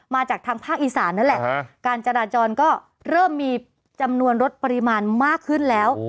มาจากทางภาคอีสานนั่นแหละการจราจรก็เริ่มมีจำนวนลดปริมาณมากขึ้นแล้ว